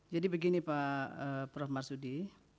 jadi begini pak prof marsudi